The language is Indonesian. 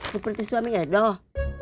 seperti suami ya doh